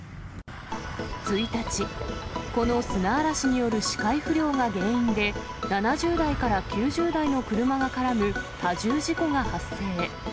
１日、この砂嵐による視界不良が原因で、７０台から９０台の車が絡む多重事故が発生。